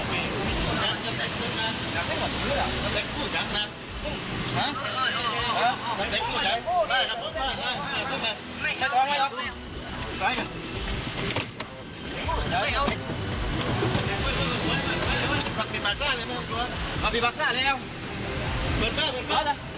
สวัสดีครับ